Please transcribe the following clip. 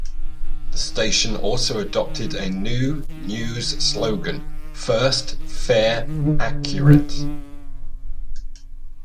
The station also adopted a new news slogan: First, Fair, Accurate.